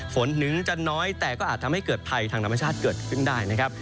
ฝนถึงจะน้อยแต่ก็อาจทำให้เกิดภัยทางธรรมชาติเกิดขึ้นได้นะครับ